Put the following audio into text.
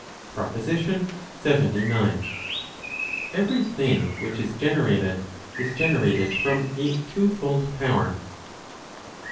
PROPOSITION LXXIX. Every thing which is generated, is generated from a two fold power.